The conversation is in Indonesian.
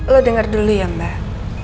lo dengar dulu ya mbak